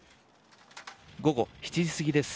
午後７時過ぎです。